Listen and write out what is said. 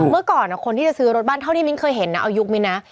เมื่อก่อนคนที่จะซื้อรถบ้านเท่าที่มิ้นเคยเห็นนะเอายุคมิ้นนะ